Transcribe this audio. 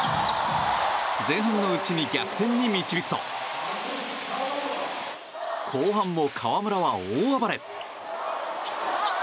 前半のうちに逆転に導くと後半も河村は大暴れ。